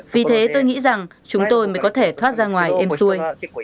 vì thế tôi nghĩ rằng chúng tôi mới có thể thoát ra ngoài êm xuôi